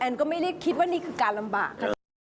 แอนก็ไม่ได้คิดว่านี่คือการลำบาก